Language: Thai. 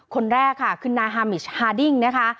คนแรกค่ะคือนายฮามิชฮาดิ้งนะคะ